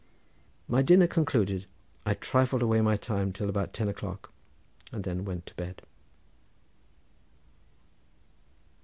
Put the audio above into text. My dinner concluded, I trifled away the time till about ten o'clock, and then went to bed.